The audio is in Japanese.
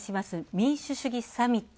民主主義サミット。